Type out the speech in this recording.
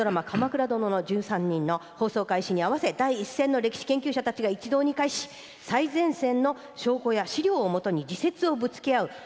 「鎌倉殿の１３人」の放送開始に合わせ第一線の歴史研究者たちが一堂に会し最前線の証拠や資料を基に自説をぶつけ合う。